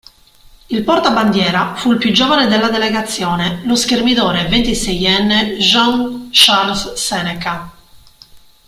Il portabandiera fu il più giovane della delegazione, lo schermidore ventiseienne Jean-Charles Seneca.